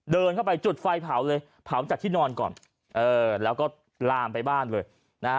เดินเข้าไปจุดไฟเผาเลยเผาจากที่นอนก่อนเออแล้วก็ลามไปบ้านเลยนะฮะ